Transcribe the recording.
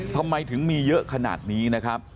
ทำไมถึงมีเยอะขนาดนี้นะครับ